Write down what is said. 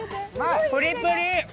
プリプリ！